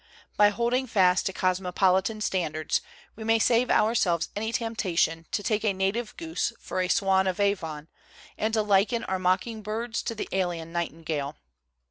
By holding fast to cosmopolitan standards we may save ourselves any temptation to take a native goose for a Swan of Avon and to liken our mocking birds to the alien nightin gale.